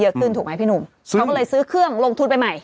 ขึ้นถูกไหมพี่หนุ่มใช่เขาก็เลยซื้อเครื่องลงทุนไปใหม่